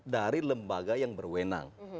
dari lembaga yang berwenang